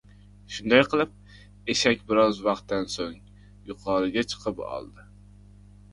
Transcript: Shunday qilib, eshak biroz vaqtdan soʻng yuqoriga chiqib oldi!..